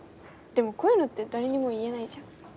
でもこういうのって誰にも言えないじゃん？